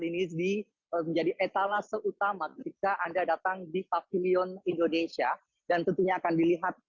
ini menjadi etalase utama jika anda datang di pavilion indonesia dan tentunya akan dilihat